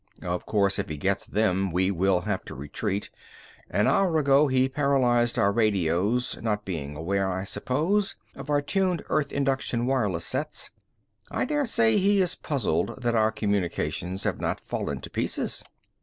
Of course, if he gets them we will have to retreat. An hour ago he paralyzed our radios, not being aware, I suppose, of our tuned earth induction wireless sets. I daresay he is puzzled that our communications have not fallen to pieces."